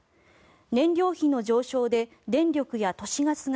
燃料費の上昇で電力や都市ガスが